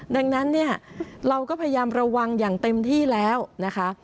ดังนั้นเนี่ยเราก็พยายามระวังอย่างเต็มที่แล้วนะคะ